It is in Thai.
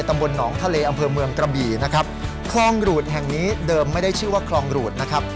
ตำบลหนองทะเลอำเภอเมืองกระบี่นะครับคลองหรูดแห่งนี้เดิมไม่ได้ชื่อว่าคลองหรูดนะครับ